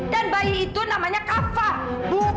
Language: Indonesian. dan bayi itu namanya kafa bukan eka